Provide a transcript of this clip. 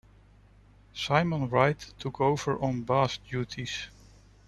Simon Wright took over on bass duties.